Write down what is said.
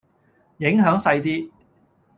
影響細啲